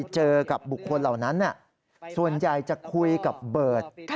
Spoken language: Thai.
เจอกับบุคคลเหล่านั้นส่วนใหญ่จะคุยกับเบิร์ต